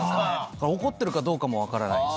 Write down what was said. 怒ってるかどうかも分からない。